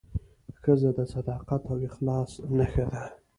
ښځه د صداقت او اخلاص نښه ده.